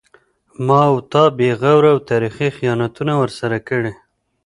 ما و تا بې غوره او تاریخي خیانتونه ورسره کړي